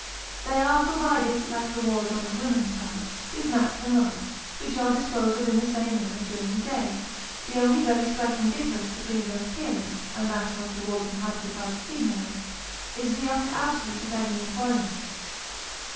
They are provided, like the wards on the women's side, with mats and ruge, which are disposed of in the same manner during the day ; the only very striking difference between their appearance and that of the wards inhabited by the females, is the utter absence of any employ ment.